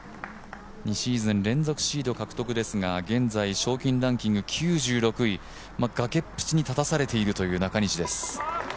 ２シーズン連続シード獲得ですが現在賞金ランキング９６位、崖っぷちに立たされている中西です。